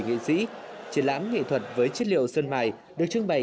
nghệ sĩ triển lãm nghệ thuật với chất liệu sơn mài được trưng bày